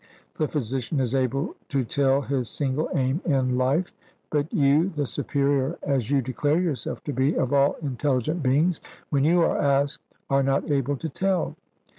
The physician is able to tell his single aim in life, but you, the superior, as you declare yourself to be, of all intelligent beings, when you are asked are not able to tell.